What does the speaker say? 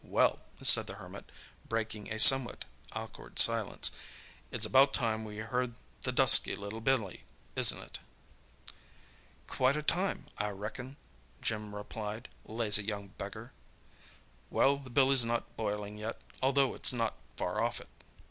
"Well," said the Hermit, breaking a somewhat awkward silence, "it's about time we heard the dusky Billy, isn't it?" "Quite time, I reckon," Jim replied. "Lazy young beggar!" "Well, the billy's not boiling yet, although it's not far off it."